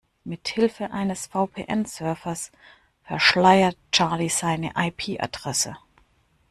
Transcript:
Mithilfe eines VPN-Servers verschleiert Charlie seine IP-Adresse.